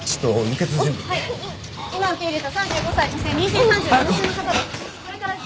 今受け入れた３５歳女性妊娠３７週の方です。